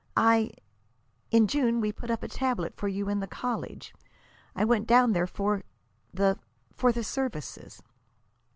I in June we put up a tablet for you at the college. I went down for the for the services."